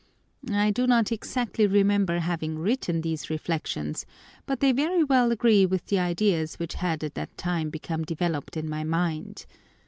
“T do not exactly remember having written these reflections, but they very well agree with the ideas which had at that time become developed in my mind.